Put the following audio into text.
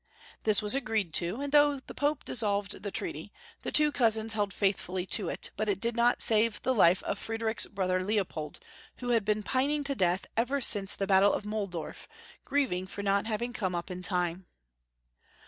This was agreed to, and though the Pope dissolved the treaty, the two cousins held faithfully to it, but it did not save the life of Friedrich's brother Leo pold, who had been pining to death ever since the battle of Muhldorf, grieving for not having come up in time.